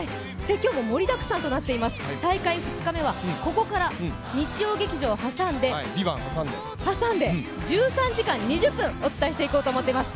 今日も盛りだくさんとなっています、大会２日目はここから日曜劇場を挟んで、１３時間２０分お伝えしていこうと思います。